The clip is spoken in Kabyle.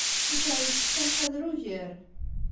Cikkeɣ yella yessefk ad nḥader ugar.